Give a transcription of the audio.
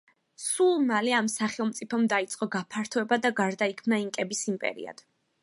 სულ მალე, ამ სახელმწიფომ დაიწყო გაფართოება და გარდაიქმნა ინკების იმპერიად.